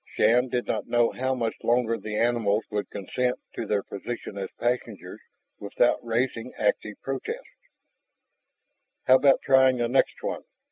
Shann did not know how much longer the animals would consent to their position as passengers without raising active protest. "How about trying the next one?"